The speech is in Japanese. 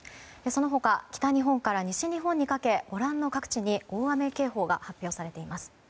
その他、北日本から西日本にかけご覧の各地に大雨警報が発表されています。